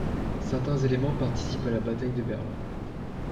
Certains éléments participent à la bataille de Berlin.